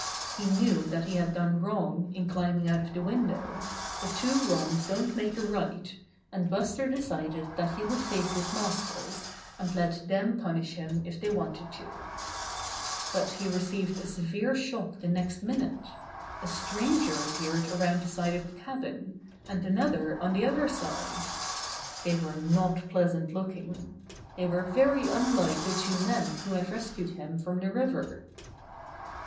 He knew that he had done wrong in climbing out of the window, but two wrongs don't make a right, and Buster decided that he would face his masters and let them punish him if they wanted to. How Buster Was Stolen 45 But he received a severe shock the next minute. A stranger appeared around the side of the cabin, and another on the other side. They were not pleasant looking. They were very unlike the two men who had rescued him from the river.